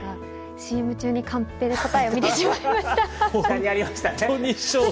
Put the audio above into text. ＣＭ中にカンペで答えを見てしまいました。